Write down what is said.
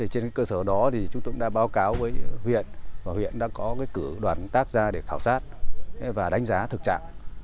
trên cơ sở đó chúng tôi cũng đã báo cáo với huyện và huyện đã có cử đoàn công tác ra để khảo sát và đánh giá thực trạng